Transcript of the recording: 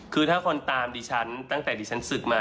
คือถ้าคนตามดิฉันตั้งแต่ดิฉันศึกมา